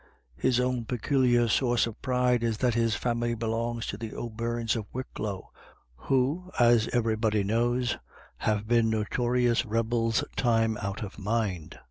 His own peculiar source of pride is that his family belongs to the O'Beirnes of Wicklow, who, as everybody knows, have been notorious rebels time out of mind.